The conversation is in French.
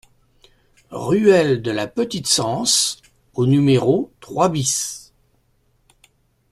Ruelle de la Petite Cense au numéro trois BIS